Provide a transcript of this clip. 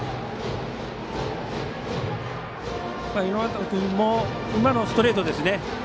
猪俣君も今のストレートですね。